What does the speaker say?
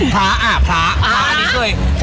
พระพระวันนี้ปริก